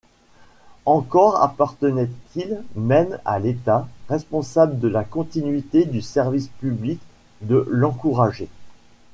Encore appartenait-il même à l'État, responsable de la continuité du service public, de l'encourager.